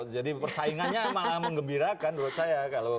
jadi persaingannya malah mengembirakan buat saya